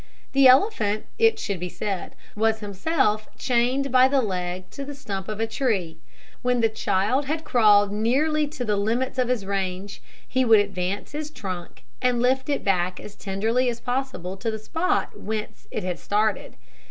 The elephant, it should be said, was himself chained by the leg to the stump of a tree. When the child had crawled nearly to the limits of his range, he would advance his trunk, and lift it back as tenderly as possible to the spot whence it had started.